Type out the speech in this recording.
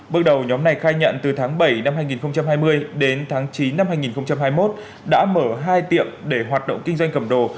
bước đầu nhóm này khai nhận từ tháng bảy năm hai nghìn hai mươi đến tháng chín năm hai nghìn hai mươi một đã mở hai tiệm để hoạt động kinh doanh cầm đồ